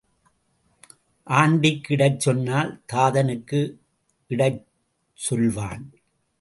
ஆண்டிக்கு இடச் சொன்னால் தாதனுக்கு இடச் சொல்வான்.